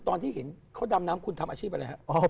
ตอนที่เห็นเขาดำน้ำคุณทำอาชีพอะไรฮะ